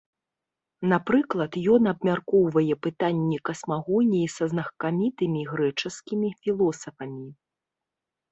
Напрыклад, ён абмяркоўвае пытанні касмагоніі са знакамітымі грэчаскімі філосафамі.